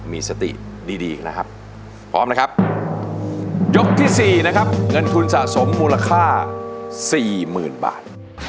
มีสติดีดีนะครับพร้อมนะครับยกที่สี่นะครับเงินทุนสะสมมูลค่าสี่หมื่นบาท